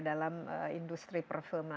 dalam industri perfilm